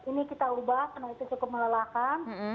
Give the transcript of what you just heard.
ini kita ubah karena itu cukup melelahkan